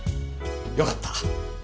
よかった。